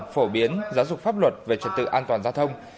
phổ biến giáo dục pháp luật về trật tự an toàn giao thông